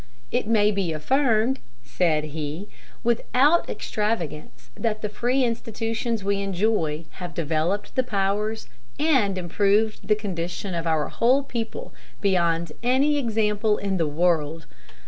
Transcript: "It may be affirmed," said he, "without extravagance that the free institutions we enjoy have developed the powers and improved the condition of our whole people beyond any example in the world.